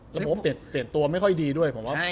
แล้วผมเปลี่ยนตัวไม่ค่อยดีด้วยผมว่า